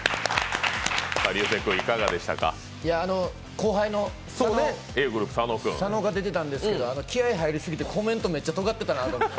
後輩の佐野が出てたんですけど、気合い入りすぎて、コメントめっちゃとがってたなと思って。